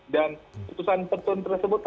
dan putusan petun tersebut